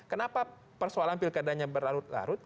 kenapa persoalan pilkadanya berlarut larut